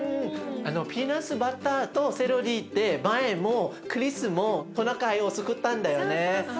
あのピーナツバターとセロリで前もクリスもトナカイをつくったんだよね。